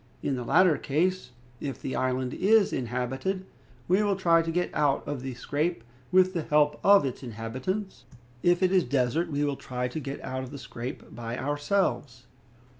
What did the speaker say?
In the latter case, if the island is inhabited, we will try to get out of the scrape with the help of its inhabitants; if it is desert, we will try to get out of the scrape by ourselves."